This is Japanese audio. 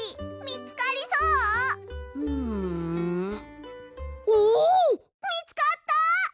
みつかった！？